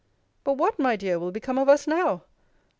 But what, my dear, will become of us now?